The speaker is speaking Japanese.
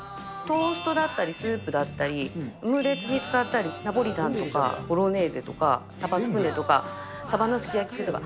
トーストだったり、スープだったり、オムレツに使ったり、ナポリタンとか、ボロネーゼとか、サバつくねとか、サバのすき焼きとか。